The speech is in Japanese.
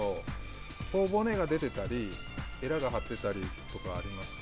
頬骨が出てたりえらが張ってたりとかありますか？